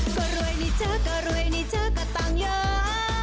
โปรดติดตามต่อไป